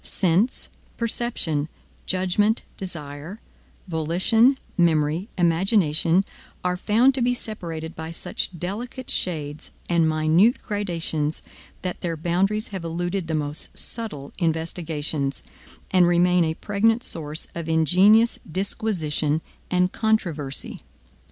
Sense, perception, judgment, desire, volition, memory, imagination, are found to be separated by such delicate shades and minute gradations that their boundaries have eluded the most subtle investigations, and remain a pregnant source of ingenious disquisition and controversy.